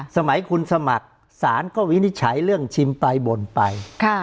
สมัยคุณสมัครศาลก็วินิจฉัยเรื่องชิมไปบ่นไป